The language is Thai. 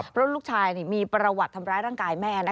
เพราะลูกชายมีประวัติทำร้ายร่างกายแม่